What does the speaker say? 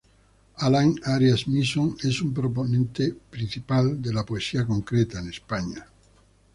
Alain Arias-Misson es un proponente principal de la poesía concreta en España.